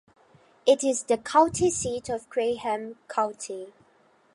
It is the county seat of Graham County.